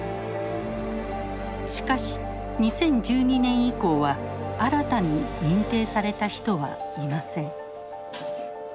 しかし２０１２年以降は新たに認定された人はいません。